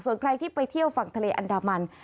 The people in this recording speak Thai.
ส่วนใครที่ไปเที่ยวฝั่งทะเลอันดามัน